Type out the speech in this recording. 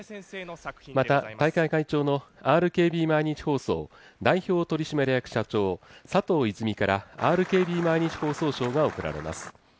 また大会会長のＲＫＢ毎日放送代表取締役社長、佐藤泉から、ＲＫＢ毎日放送賞が贈られます。